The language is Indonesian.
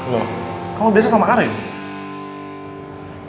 lo kamu biasa sama arief